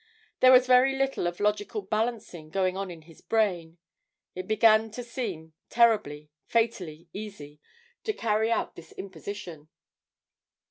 There was very little of logical balancing going on in his brain; it began to seem terribly, fatally easy to carry out this imposition.